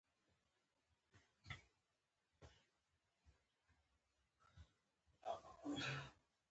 څوک پکې ملامت کړم.